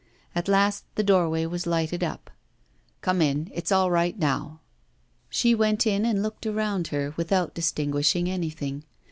At last the doorway was lighted up. 'Come in, it's all right now.' She went in and looked around her, without distinguishing anything.